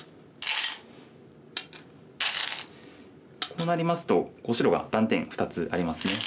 こうなりますと白が断点２つありますね。